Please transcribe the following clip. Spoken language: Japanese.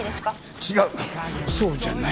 違うそうじゃない。